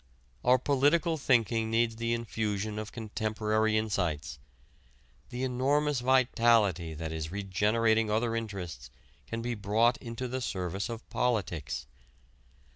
Our political thinking needs the infusion of contemporary insights. The enormous vitality that is regenerating other interests can be brought into the service of politics.